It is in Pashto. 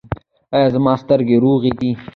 ایا زما سترګې روغې دي؟